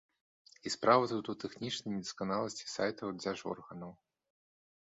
І справа тут у тэхнічнай недасканаласці сайтаў дзяржорганаў.